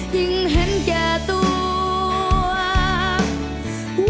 ยิ่งเห็นแก่ตัว